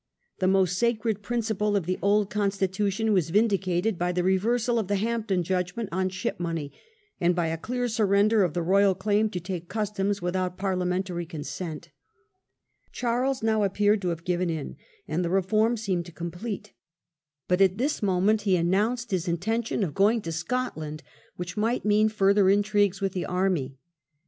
The most sacred principle of the old constitution was vindicated by the reversal of the Hampden judgment on ship money, and by a clear surrender of the royal claim to take customs without Parliamentary consent. Charles now appeared to have given in, and the reform seemed complete. But at this moment he announced his The king will intention of going to Scotland, which might Parifamen? mean further intrigues with the army.